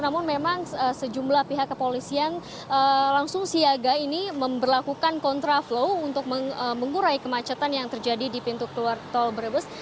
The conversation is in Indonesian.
namun memang sejumlah pihak kepolisian langsung siaga ini memperlakukan kontraflow untuk mengurai kemacetan yang terjadi di pintu keluar tol brebes